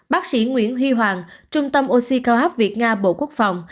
bác sĩ nguyễn huy hoàng trung tâm oxy cao áp việt nga bộ quốc phòng